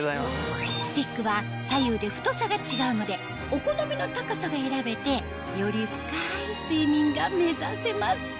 スティックは左右で太さが違うのでお好みの高さが選べてより深い睡眠が目指せます